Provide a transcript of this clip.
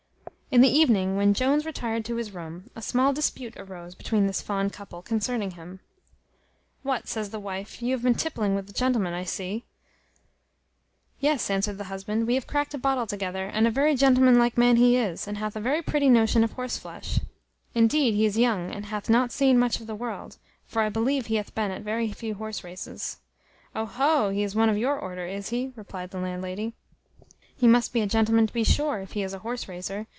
In the evening, when Jones retired to his room, a small dispute arose between this fond couple concerning him: "What," says the wife, "you have been tippling with the gentleman, I see?" "Yes," answered the husband, "we have cracked a bottle together, and a very gentlemanlike man he is, and hath a very pretty notion of horse flesh. Indeed, he is young, and hath not seen much of the world; for I believe he hath been at very few horse races." "Oho! he is one of your order, is he?" replies the landlady: "he must be a gentleman to be sure, if he is a horse racer.